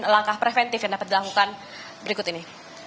langkah preventif yang dapat dilakukan berikut ini